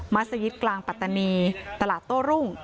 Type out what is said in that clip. สยิตกลางปัตตานีตลาดโต้รุ่ง